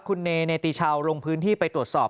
คุณเนติชาวลงพื้นที่ไปตรวจสอบ